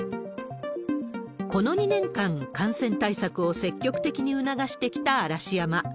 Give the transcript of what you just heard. この２年間、感染対策を積極的に促してきた嵐山。